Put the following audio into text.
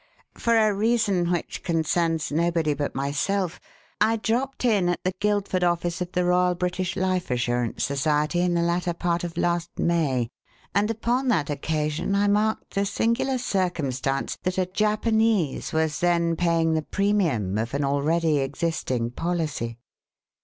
"For a reason which concerns nobody but myself, I dropped in at the Guildford office of the Royal British Life Assurance Society in the latter part of last May, and upon that occasion I marked the singular circumstance that a Japanese was then paying the premium of an already existing policy.